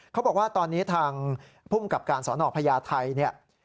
เขาบอกว่าตอนนี้ทางภูมิกับการสนพญาไทยเนี่ย